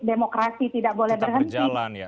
demokrasi tidak boleh berhenti